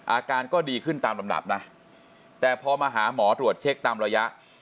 อาการก็ดีขึ้นตามลำดับนะแต่พอมาหาหมอตรวจเช็คตามระยะ